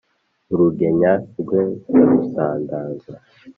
Urugenya rwe ndarusandaza